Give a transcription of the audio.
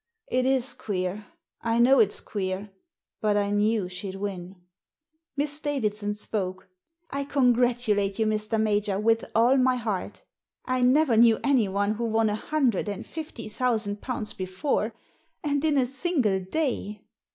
" It is queer ; I know it's queer. But I knew she'd win." Miss Davidson spoke. " I congratulate you, Mr. Major, with all my heart I never knew anyone who won a hundred and fifty thousand pounds before — and in a single day!"